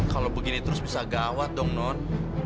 kalau begini terus bisa gawat dong non